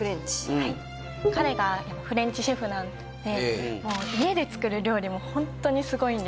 はい彼がフレンチシェフなのでもう家で作る料理もホントにすごいんです